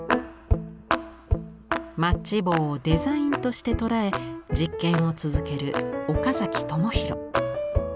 マッチ棒をデザインとして捉え実験を続ける岡崎智弘。